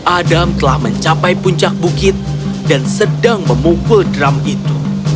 adam telah mencapai puncak bukit dan sedang memukul drum itu